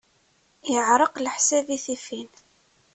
Yeɛreq leḥsab i tifin.